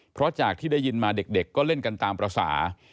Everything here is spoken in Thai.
เพราะจากที่ได้ยินมาเด็กก็เล่นกันตามภาษา